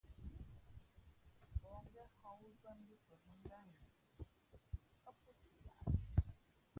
Pα̌h ngén hᾱ wúzά mbí pαmάngátnzhʉꞌ ά pō si yāʼnthʉ̄.